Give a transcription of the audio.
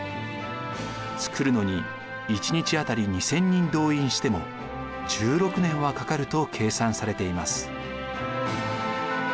造るのに１日あたり２，０００人動員しても１６年はかかると計算されています。